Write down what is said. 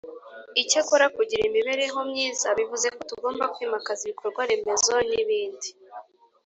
Icyakora kugira imibereho myiza bivuze ko tugomba kwimakaza ibikorwaremezo n’ibindi